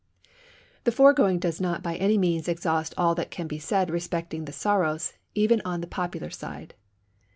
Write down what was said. The foregoing does not by any means exhaust all that can be said respecting the Saros even on the popular side.